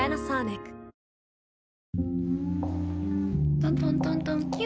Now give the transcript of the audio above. トントントントンキュ。